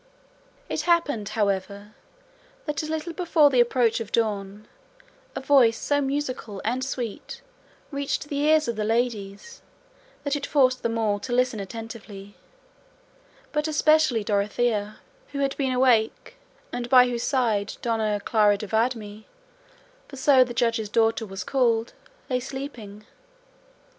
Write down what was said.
It happened, however, that a little before the approach of dawn a voice so musical and sweet reached the ears of the ladies that it forced them all to listen attentively, but especially Dorothea, who had been awake, and by whose side Dona Clara de Viedma, for so the Judge's daughter was called, lay sleeping.